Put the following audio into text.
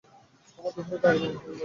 আমরা দুপুরের আগে রওনা হয়ে যাবো।